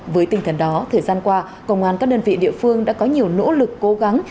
với tinh thần đó thời gian qua công an các đơn vị địa phương đã có nhiều nỗ lực cố gắng